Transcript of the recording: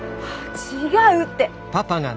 違うって！